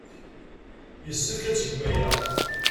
Yessefk ad tgem aya.